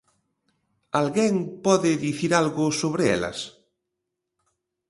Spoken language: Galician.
Alguén pode dicir algo sobre elas?